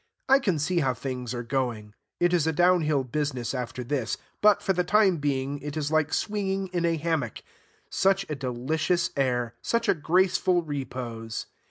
I can see how things are going: it is a down hill business after this; but, for the time being, it is like swinging in a hammock, such a delicious air, such a graceful repose!